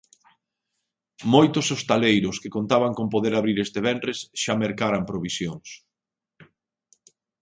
Moitos hostaleiros que contaban con poder abrir este venres xa mercaran provisións.